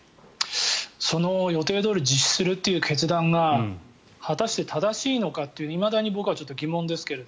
その予定どおり実施するという決断が果たして正しいのかっていまだに僕はまだ疑問ですけれども。